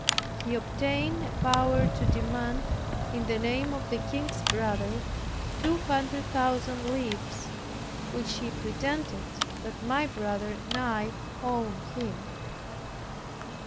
He obtained a power to demand, in the name of the king's brother, two hundred thousand livres, which he pretended that my brother and I owed him.